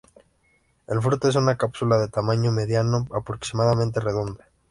El fruto es una cápsula de tamaño mediano, aproximadamente redonda.